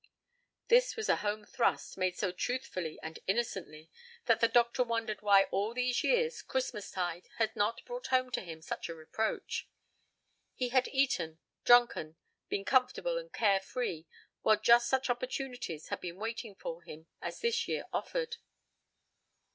This was a home thrust, made so truthfully and innocently that the doctor wondered why all these years' Christmastide had not brought home to him such a reproach. He had eaten, drunken, been comfortable and care free, while just such opportunities had been waiting for him as this year offered.